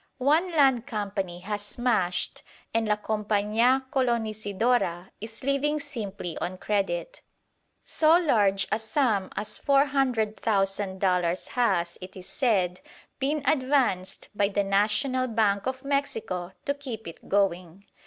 One land company has smashed, and La Compañía Colonisidora is living simply on credit. So large a sum as 400,000 dollars has, it is said, been advanced by the National Bank of Mexico to keep it going.